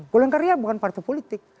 golong karya bukan partai politik